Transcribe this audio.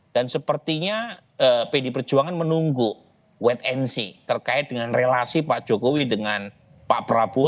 dan sepertinya pdi perjuangan menunggu wet and see terkait dengan relasi pak jokowi dengan pak prabowo